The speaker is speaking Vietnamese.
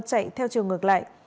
chạy theo chiều ngược lại